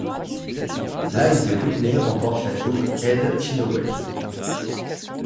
L'Ice de Kootenay remporte la Coupe Ed Chynoweth.